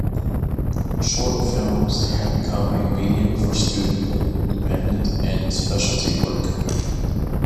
Short films had become a medium for student, independent and specialty work.